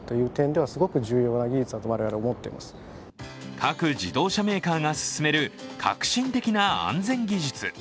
各自動車メーカーが進める革新的な安全技術。